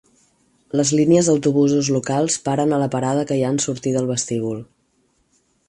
Les línies d'autobusos locals paren a la parada que hi ha en sortir del vestíbul.